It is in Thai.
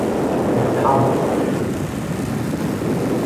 เสือเฒ่า